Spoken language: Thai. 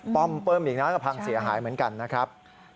ป้อมอีกนะก็พังเสียหายเหมือนกันนะครับ